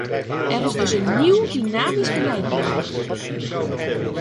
Er is dus een nieuw dynamisch beleid nodig.